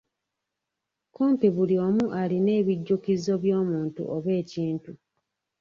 Kumpi buli omu alina ebijjukizo by'omuntu oba ekintu.